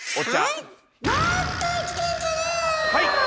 はい！